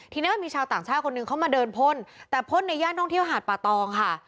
ทีนี้มันมีชาวต่างชาติคนหนึ่งเข้ามาเดินพ่นแต่พ่นในย่านท่องเที่ยวหาดป่าตองค่ะ